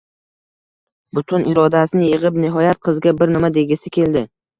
Butun irodasini yig’ib, nihoyat qizga bir nima degisi keldi.